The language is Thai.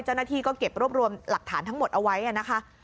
เจ้าหน้าที่ก็เก็บรวบรวมหลักฐานทั้งหมดเอาไว้นะคะ